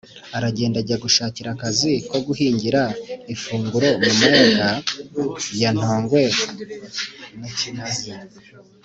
Aragenda ajya gushakira akazi ko guhingira ifunguro mu mayaga ya Ntongwe na Kinazi.